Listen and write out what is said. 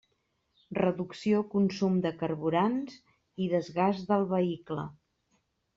Reducció consum de carburants i desgast del vehicle.